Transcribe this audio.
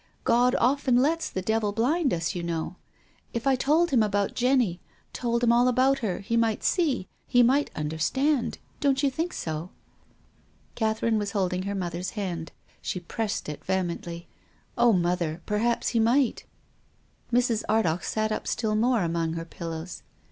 God often lets the devil blind us, you know. If I told him about Jenny, told him all about her, he might see — he might understand. Don't you think so ?" Catherine was holding her mother's hand. She pressed it vehemently. " Oh, mother, perhaps he might !" Mrs. Ardagh sat up still more among her pillows.